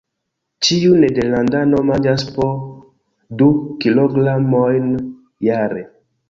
Ĉiu nederlandano manĝas po du kilogramojn jare.